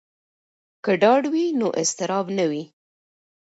که ډاډ وي نو اضطراب نه وي.